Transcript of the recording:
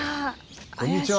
こんにちは！